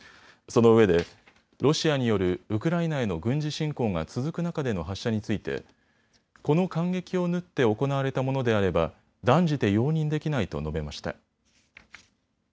そのうえでロシアによるウクライナへの軍事侵攻が続く中での発射についてこの間隙を縫って行われたものであれば断じて容認できないと述べました。